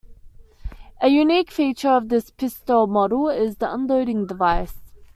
A unique feature of this pistol model is the unloading device.